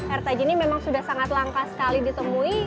air tajin ini memang sudah sangat langka sekali ditemui